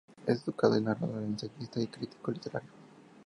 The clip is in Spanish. Es educador, narrador, ensayista y crítico literario.